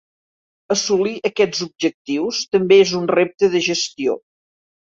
Assolir aquests objectius també és un repte de gestió.